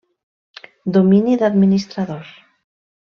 Domini d'administradors.